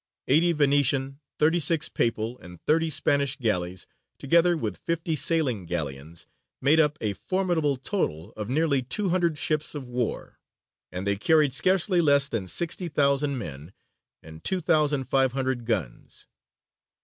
Eighty Venetian, thirty six Papal, and thirty Spanish galleys, together with fifty sailing galleons, made up a formidable total of nearly two hundred ships of war, and they carried scarcely less than sixty thousand men, and two thousand five hundred guns.